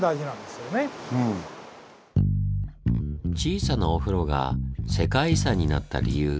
小さなお風呂が世界遺産になった理由。